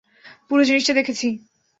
পুরো জিনিসটা দেখেছি।